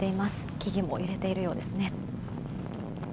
木々も揺れているようですね。